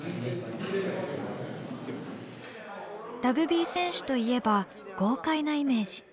ラグビー選手といえば豪快なイメージ。